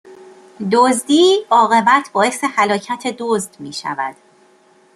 دزدی، عاقبت باعث هلاکت دزد میشود